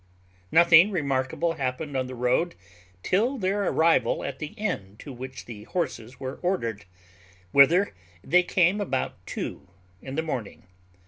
_ Nothing remarkable happened on the road till their arrival at the inn to which the horses were ordered; whither they came about two in the morning.